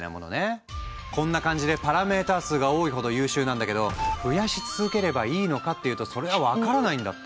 こんな感じでパラメータ数が多いほど優秀なんだけど増やし続ければいいのかっていうとそれは分からないんだって。